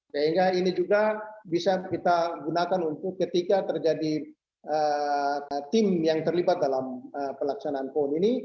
sehingga ini juga bisa kita gunakan untuk ketika terjadi tim yang terlibat dalam pelaksanaan pon ini